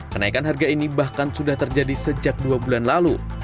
kenaikan harga ini bahkan sudah terjadi sejak dua bulan lalu